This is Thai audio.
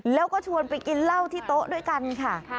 แล้วก็ชวนไปกินเหล้าที่โต๊ะด้วยกันค่ะ